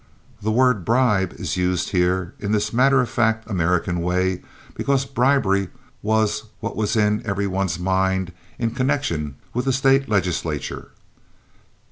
The word "bribe" is used here in this matter of fact American way, because bribery was what was in every one's mind in connection with the State legislature.